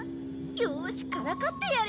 よーしからかってやれ。